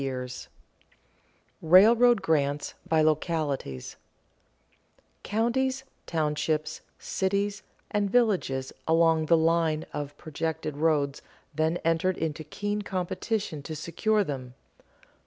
[Sidenote: Railroad grants by localities] Counties, townships, cities, and villages along the line of projected roads then entered into keen competition to secure them.